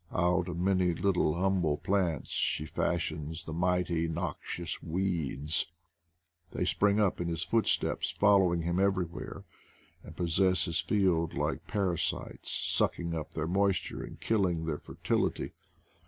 Out of many little hum ble plants she fashions the mighty noxious weeds ; they spring up in his footsteps, following him everywhere, and possess his fields like parasites, sucking up their moisture and killing their fertil ity.